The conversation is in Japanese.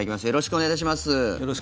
よろしくお願いします。